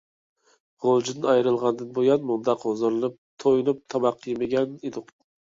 غۇلجىدىن ئايرىلغاندىن بۇيان، مۇنداق ھۇزۇرلىنىپ، تويۇنۇپ تاماق يېمىگەن ئىدۇق.